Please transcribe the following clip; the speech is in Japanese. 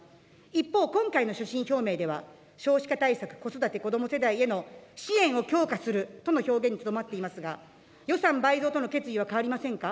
一方、今回の所信表明では、少子化対策、子育て・子ども世代への支援を強化するとの表現にとどまっていますが、予算倍増との決意は変わりませんか。